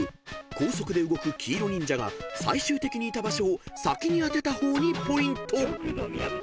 高速で動く黄色忍者が最終的にいた場所を先に当てた方にポイント］